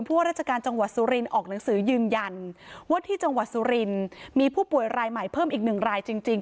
ว่าราชการจังหวัดสุรินออกหนังสือยืนยันว่าที่จังหวัดสุรินมีผู้ป่วยรายใหม่เพิ่มอีกหนึ่งรายจริง